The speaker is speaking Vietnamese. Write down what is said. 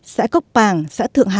xã cốc bàng xã thượng hà